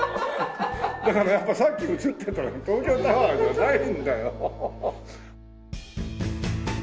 だからやっぱりさっき映ってたのは東京タワーじゃないんだよ。